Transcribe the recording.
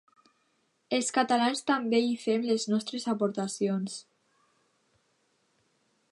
Els catalans també hi fem les nostres aportacions.